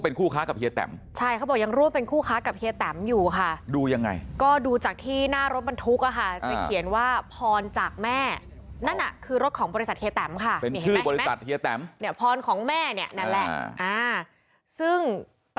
แล้วเค้าก็เป็นคู่ค้ากับเฮียแตม